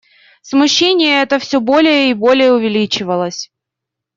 Смущение это всё более и более увеличивалось.